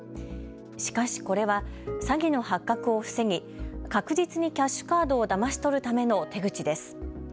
しかし、これは詐欺の発覚を防ぎ確実にキャッシュカードをだまし取るための手口です。